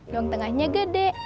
ruang tengahnya gede